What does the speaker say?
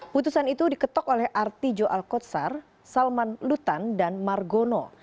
putusan itu diketok oleh artijo alkotsar salman lutan dan margono